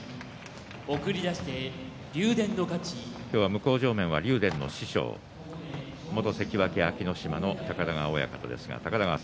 向正面は竜電の師匠元関脇安芸乃島の高田川親方です。